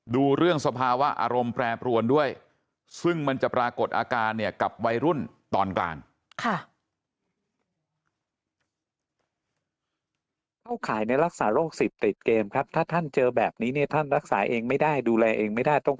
ดูเรื่องสภาวะอารมณ์แปรปรวนด้วยซึ่งมันจะปรากฏอาการเนี่ยกับวัยรุ่นตอนกลาง